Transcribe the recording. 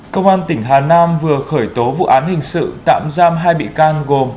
công an tỉnh hà nam vừa khởi tố vụ án hình sự tạm giam hai bị can gồm